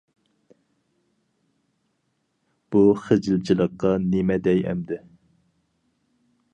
بۇ خىجىلچىلىققا نېمە دەي ئەمدى؟ !